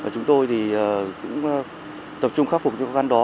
cũng tập trung khắc phục những khúc khăn đó